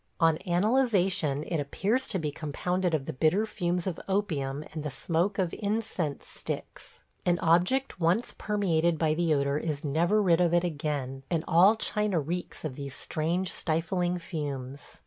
On analyzation it appears to be compounded of the bitter fumes of opium and the smoke of incense sticks. An object once permeated by the odor is never rid of it again, and all China reeks of these strange stifling fumes.